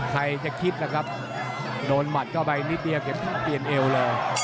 ใครจะคิดล่ะครับโดนหมัดเข้าไปนิดเดียวเปลี่ยนเอวเลย